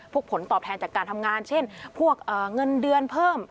ผลตอบแทนจากการทำงานเช่นพวกเงินเดือนเพิ่ม